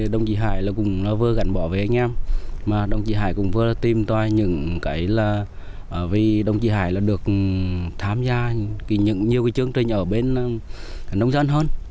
đồng chí hải vừa gắn bỏ với anh em mà đồng chí hải cũng vừa tìm toài những cái là vì đồng chí hải được tham gia nhiều cái chương trình ở bên nông dân hơn